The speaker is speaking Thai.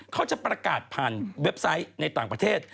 เขาจะประกาศผ่านเว็บไซต์ในต่างประเทศ